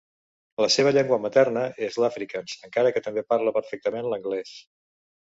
La seva llengua materna és l'afrikaans, encara que també parla perfectament l'anglès.